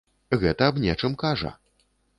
Гэта аб нечым кажа.